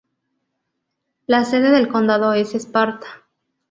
La sede del condado es Sparta.